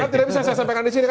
tidak bisa saya sampaikan di sini